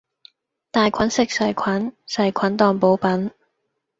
大菌食細菌，細菌當補品